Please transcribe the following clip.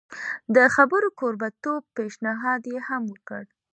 د خبرو کوربه توب پېشنهاد یې هم وکړ.